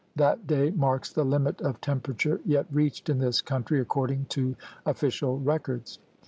That day marks the limit of temperature yet reached in this coun try according to official records.